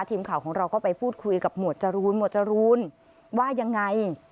ทีมข่าวของเราก็ไปพูดคุยกับหมวดจรูนหมวดจรูนว่ายังไง